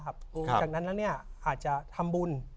จากนั้นอาจจะทำบุญ